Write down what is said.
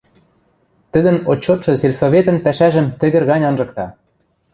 Тӹдӹн отчетшы сельсоветӹн пӓшӓжӹм тӹгӹр гань анжыкта.